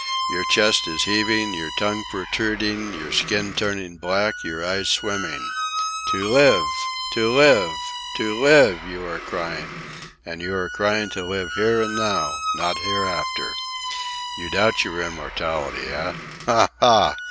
Your chest is heaving, your tongue protruding, your skin turning dark, your eyes swimming. 'To live! To live! To live!' you are crying; and you are crying to live here and now, not hereafter. You doubt your immortality, eh? Ha! ha!